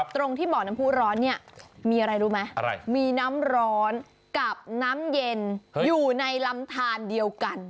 ตรงที่บ่อน้ำผู้ร้อนเนี่ยมีอะไรรู้ไหมอะไรมีน้ำร้อนกับน้ำเย็นอยู่ในลำทานเดียวกัน